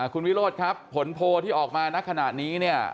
คุณวิโรธครับผลโพลที่ออกมาณขณะนี้เนี่ย